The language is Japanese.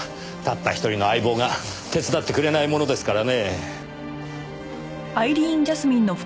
たった一人の相棒が手伝ってくれないものですからね。